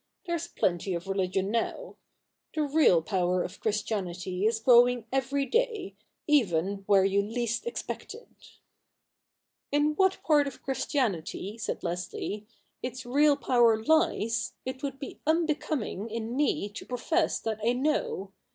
There's plenty of religion now. The real power of Christianity is growing every day, even where you least expect it.' ' In what part of Christianity,' said Leslie, ' its real power lies, it would be unbecoming in me to profess that I know.